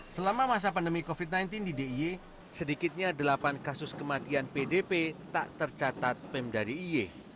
selama masa pandemi covid sembilan belas di d i y sedikitnya delapan kasus kematian pdp tak tercatat pemda d i e